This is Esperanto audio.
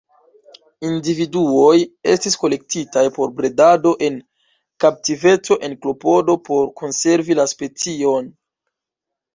Individuoj estis kolektitaj por bredado en kaptiveco en klopodo por konservi la specion.